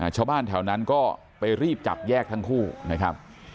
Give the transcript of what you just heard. ชาวบ้านแถวนั้นก็ไปรีบจับแยกทั้งคู่นะครับ